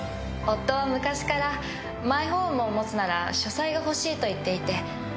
夫は昔からマイホームを持つなら書斎が欲しいと言っていて。